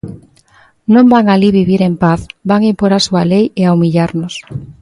Non van alí vivir en paz, van impor a súa lei e a humillarnos.